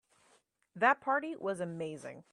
That party was amazing.